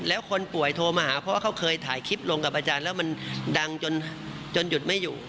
แล้วคนป่วยโทรมาหาเพราะว่าเขาเคยถ่ายคลิปลงกับอาจารย์แล้วมันดังจนหยุดไม่อยู่